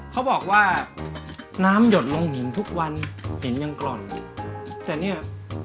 เขาบอกว่าน้ำหยดลงหินทุกวันหินยังกล่อนแต่เนี่ย